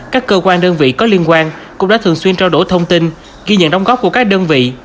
các cơ quan đơn vị có liên quan cũng đã thường xuyên trao đổi thông tin ghi nhận đóng góp của các đơn vị